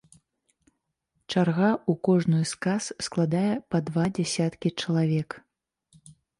Чарга ў кожную з кас складае па два дзясяткі чалавек.